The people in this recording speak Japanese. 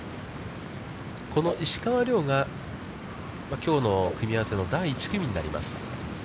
この石川遼がきょうの組み合わせの第１組になります。